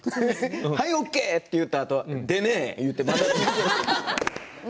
はい、ＯＫって言ったあとでねって言ってまた。